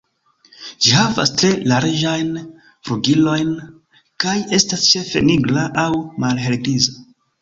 Ĝi havas tre larĝajn flugilojn, kaj estas ĉefe nigra aŭ malhelgriza.